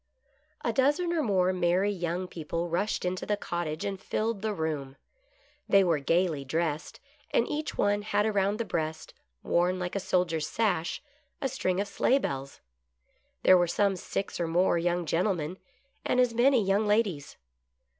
A dozen or more merry young people rushed into the cottage, and filled the room. They were gaily dressed, and each one had around the breast, worn like a soldier's sash, a string of sleigh bells. There were some six or more young gentlemen and as many young ladies.